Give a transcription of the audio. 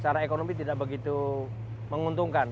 secara ekonomi tidak begitu menguntungkan